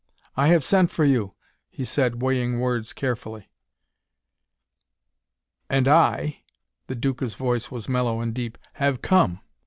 "I have sent for you," he said, weighing words carefully. "And I," the Duca's voice was mellow and deep "have come.